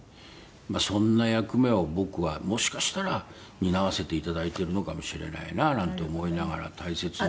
そんな役目を僕はもしかしたら担わせていただいてるのかもしれないななんて思いながら大切に。